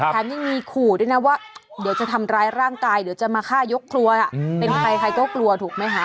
แถมยังมีขู่ด้วยนะว่าเดี๋ยวจะทำร้ายร่างกายเดี๋ยวจะมาฆ่ายกครัวล่ะเป็นใครใครก็กลัวถูกไหมคะ